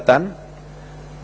dengan menggunakan protokol kesehatan